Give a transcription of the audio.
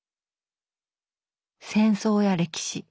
戦争や歴史。